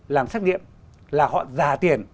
làm xét nghiệm là họ giả tiền